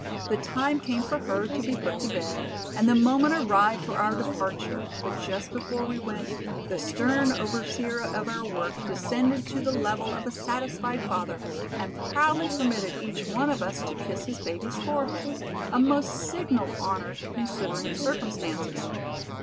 The time came for her to be put to bed, and the moment arrived for our departure, but just before we went, the stern overseer of our work descended to the level of a satisfied father, and proudly permitted each one of us to kiss his baby's forehead, a most signal honor considering circumstances.